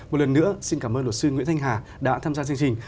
một lần nữa xin cảm ơn luật sư nguyễn thanh hà đã tham gia chương trình